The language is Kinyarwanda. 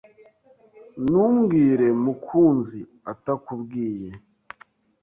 Ntumbwire mukunzi atakubwiye.